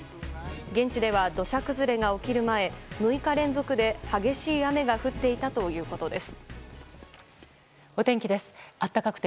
現地では土砂崩れが起きる前６日連続で激しい雨が降っていたということです。